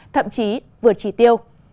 thậm chí vượt trị tiêu